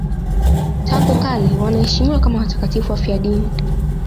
Tangu kale wanaheshimiwa kama watakatifu wafiadini.